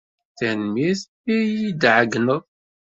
Tanemmirt imi ay iyi-d-tɛeyyneḍ.